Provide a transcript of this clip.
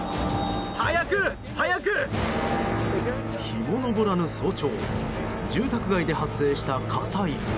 日も昇らぬ早朝住宅街で発生した火災。